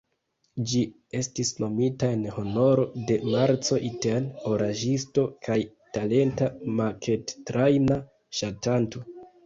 Ĝi estis nomita en honoro de "Marco Iten", oraĵisto kaj talenta makettrajna ŝatanto,